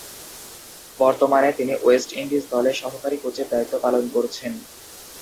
বর্তমানে তিনি West Indies দলে সহকারী কোচের দায়িত্ব পালন করছেন।